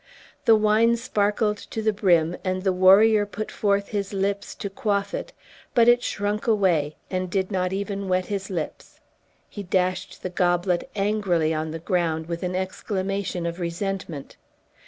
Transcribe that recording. The wine sparkled to the brim, and the warrior put forth his lips to quaff it, but it shrunk away, and did not even wet his lips. He dashed the goblet angrily on the ground, with an exclamation of resentment.